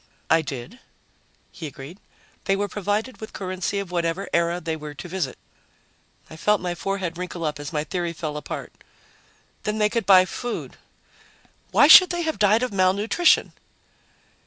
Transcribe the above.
"I did," he agreed. "They were provided with currency of whatever era they were to visit." I felt my forehead wrinkle up as my theory fell apart. "Then they could buy food. Why should they have died of malnutrition?"